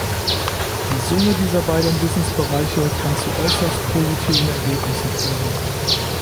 Die Summe dieser beiden Wissensbereiche kann zu äußerst positiven Ergebnissen führen.